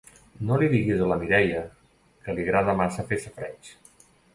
No li diguis a la Mireia, que li agrada massa fer safareig.